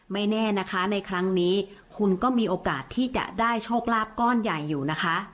ไม่แน่นะคะในครั้งนี้คุณก็มีโอกาสที่จะได้โชคลาภก้อนใหญ่อยู่นะคะ